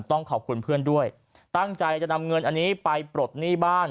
ต้องขอบคุณเพื่อนด้วยตั้งใจจะนำเงินอันนี้ไปปลดหนี้บ้าน